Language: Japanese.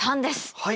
はい。